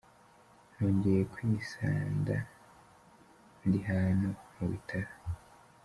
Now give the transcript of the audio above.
Nongeye kwisanda ndi hano mu bitaro.